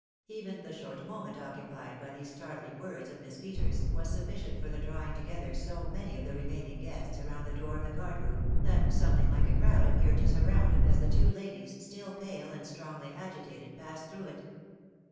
Even the short moment occupied by these startling words of Miss. Peters, was sufficient for the drawing together so many of the remaining guests around the door of the card room, that something like a crowd appeared to surround it as the two ladies, stiU pale and strongly agitated, passed through it.